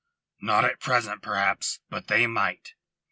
"Not at present, perhaps. But they might."